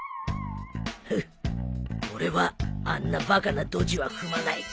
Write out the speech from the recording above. フッ俺はあんなバカなどじは踏まない